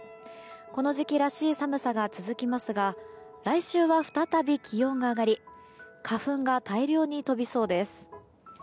この時期らしい寒さが続きますが来週は再び気温が上がり花粉が大量に飛びそうです。